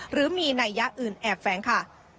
หรือมีนัยยะอื่นแอบแฟ้งค่ะ